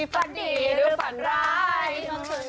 ฝันดีหรือฝันร้าย